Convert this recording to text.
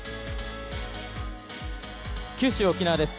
九州・沖縄です。